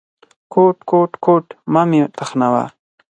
_کوټ، کوټ، کوټ… مه مې تخنوه.